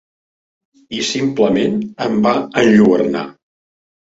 I simplement em va enlluernar.